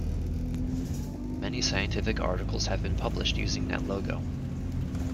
Many scientific articles have been published using NetLogo.